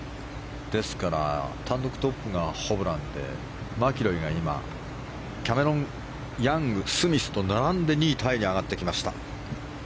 ですから単独トップがホブランでマキロイが今キャメロン・ヤングスミスと並んで２位タイに上がってきました。